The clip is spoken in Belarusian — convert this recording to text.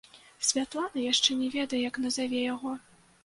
Святлана яшчэ не ведае, як назаве яго.